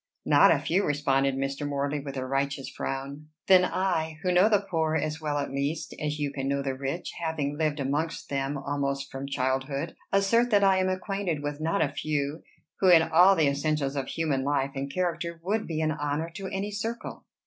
"Not a few," responded Mr. Morley with a righteous frown. "Then I, who know the poor as well at least as you can know the rich, having lived amongst them almost from childhood, assert that I am acquainted with not a few, who, in all the essentials of human life and character, would be an honor to any circle."